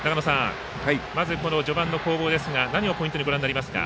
まずこの序盤の攻防ですが何をポイントにご覧になりますか。